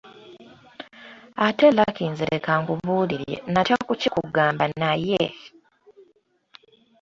Ate Lucky nze leka nkubuulire natya kukikugamba naye…”.